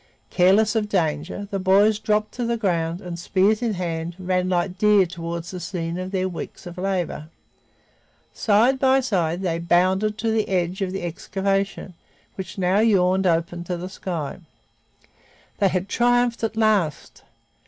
Careless of danger, the boys dropped to the ground and, spears in hand, ran like deer toward the scene of their weeks of labor. Side by side they bounded to the edge of the excavation, which now yawned open to the sky. They had triumphed at last!